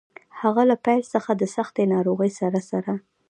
هغه له پیل څخه د سختې ناروغۍ سره سره.